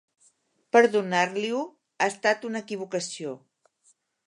Perdonar-li-ho, ha estat una equivocació.